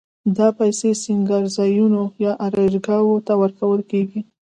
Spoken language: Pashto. دا پیسې سینګارځایونو یا آرایشګاوو ته ورکول کېږي